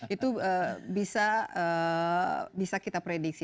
itu bisa kita prediksi